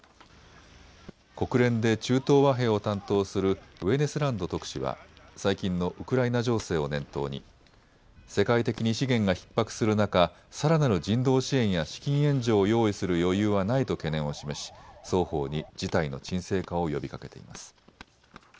国連で中東和平を担当するウェネスランド特使は最近のウクライナ情勢を念頭に世界的に資源がひっ迫する中、さらなる人道支援や資金援助を用意する余裕はないと懸念を示し双方に事態の鎮静化を呼びかけています。